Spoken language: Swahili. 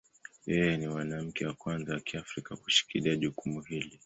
Yeye ni mwanamke wa kwanza wa Kiafrika kushikilia jukumu hili.